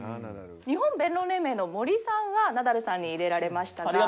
日本弁論連盟の森さんはナダルさんに入れられましたが。